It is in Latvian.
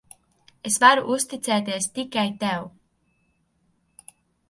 Es varu uzticēties tikai tev.